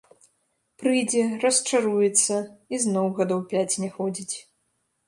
Прыйдзе, расчаруецца і зноў гадоў пяць не ходзіць.